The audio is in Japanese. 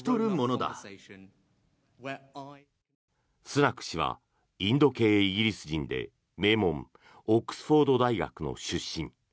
スナク氏はインド系イギリス人で名門オックスフォード大学の出身。